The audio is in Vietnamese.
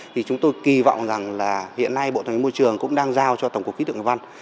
thì chúng tôi kỳ vọng rằng là hiện nay bộ thông minh môi trường cũng đang giao cho tổng cục khí tượng văn